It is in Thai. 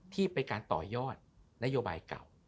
ที่เป็นการต่อยอดนโยบายเก่า